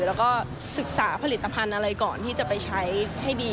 แล้วก็ศึกษาผลิตภัณฑ์อะไรก่อนที่จะไปใช้ให้ดี